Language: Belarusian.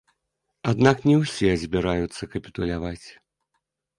Аднак не ўсе збіраюцца капітуляваць.